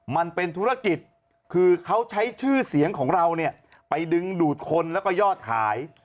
มันเป็นธุรกิจคือเขาใช้ชื่อเสียงของเราเนี่ยไปดึงดูดคนแล้วก็ยอดขาย